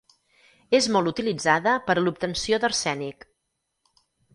És molt utilitzada per a l'obtenció d'arsènic.